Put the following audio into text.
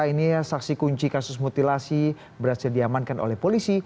ini saksi kunci kasus mutilasi berhasil diamankan oleh polisi